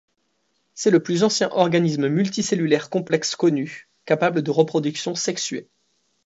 C'est le plus ancien organisme multicellulaire complexe connu, capable de reproduction sexuée.